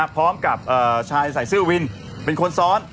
พร้อมกับชายใส่เสื้อวินเป็นคนซ้อน